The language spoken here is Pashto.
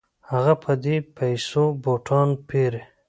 هغه په دې پیسو بوټان پيري.